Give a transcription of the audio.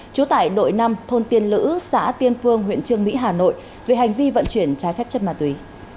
trú tại đội năm thôn tiên lữ xã tiên phương huyện trương mỹ hà nội về hành vi vận chuyển trái phép chất ma túy